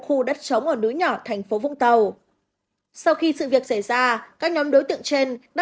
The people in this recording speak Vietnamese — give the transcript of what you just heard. khu đất trống ở núi nhỏ thành phố vũng tàu sau khi sự việc xảy ra các nhóm đối tượng trên đã